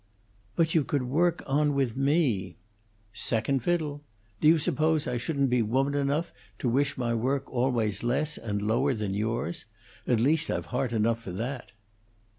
"But you could work on with me " "Second fiddle. Do you suppose I shouldn't be woman enough to wish my work always less and lower than yours? At least I've heart enough for that!"